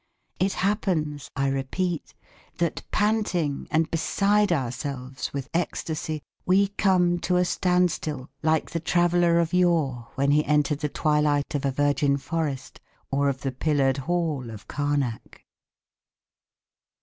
it happens, I repeat, that panting, and beside ourselves with ecstasy, we come to a standstill, like the traveller of yore when he entered the twilight of a virgin forest, or of the pillared hall of Karnak.